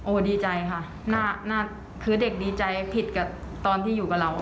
ดีใจค่ะหน้าคือเด็กดีใจผิดกับตอนที่อยู่กับเรา